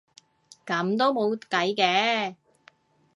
噉都冇計嘅